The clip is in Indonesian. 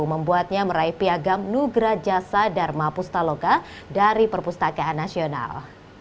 membuatnya meraih piagam nugra jasa dharma pustaloka dari perpustakaan nasional